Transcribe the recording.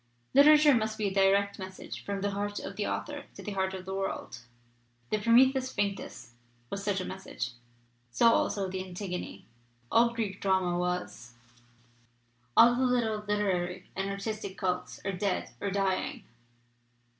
Literature must be a direct message from the heart of the author to the heart of the worldJ The Prometheus Vinctus was such a message, DO also the Antigone. All Greek drama was. "All the little literary and artistic cults are dead or dying.